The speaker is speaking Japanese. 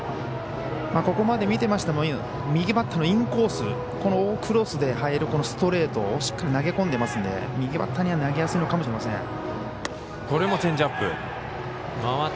ここまで見てみましても右バッターへのインコースこのクロスで入るストレートをしっかり投げ込んでますので右バッターには投げやすいのかもしれません。